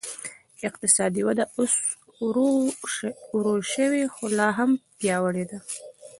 اقتصادي وده اوس ورو شوې خو لا هم پیاوړې ده.